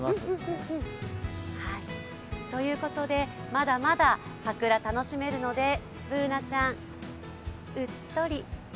まだまだ桜、楽しめるのでＢｏｏｎａちゃん、うっとり。